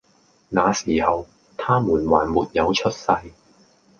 那時候，他們還沒有出世，